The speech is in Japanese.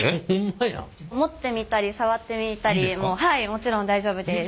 はいもちろん大丈夫です。